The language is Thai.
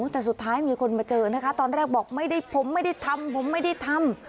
แต่สุดท้ายมีคนมาเจอนะคะตอนแรกบอกไม่ได้ผมไม่ได้ทำผมไม่ได้ทำ